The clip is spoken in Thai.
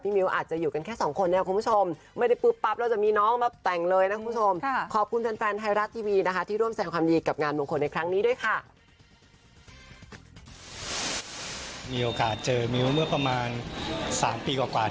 มีโอกาสเจอมิ้วเมื่อประมาณ๓ปีกว่า